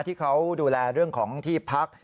ที่เขาดูแลเรื่องของที่พัก